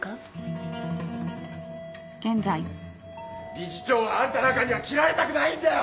理事長はあんたなんかには切られたくないんだよ！